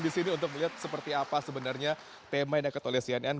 di sini untuk melihat seperti apa sebenarnya tema yang dikatakan oleh cnn